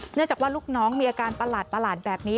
เนื่องจากว่าลูกน้องมีอาการประหลาดแบบนี้